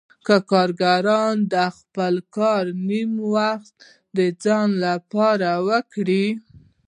که کارګران د خپل کار نیم وخت د ځان لپاره وکړي